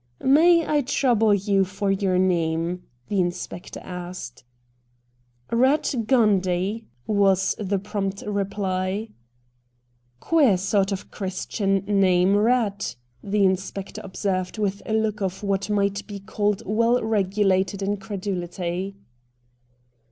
' May I trouble you for your name ?' the inspector asked. ' Eatt Gundy/ was the prompt reply. ' Queer sort of Christian name, Eatt,' the inspector observed with a look of what might be called well regulated incredulity.